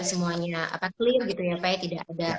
semuanya apa clear gitu ya pak